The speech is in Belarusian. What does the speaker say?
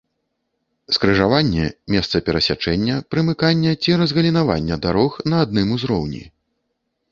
скрыжаванне — месца перасячэння, прымыкання ці разгалінавання дарог на адным узроўні